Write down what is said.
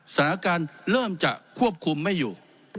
สถานการณ์เริ่มจะควบคุมไม่อยู่